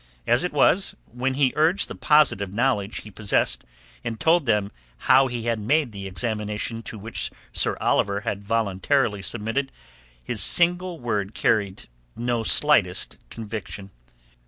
As it was, when he urged the positive knowledge he possessed, and told them how he had made the examination to which Sir Oliver had voluntarily submitted, his single word carried no slightest conviction.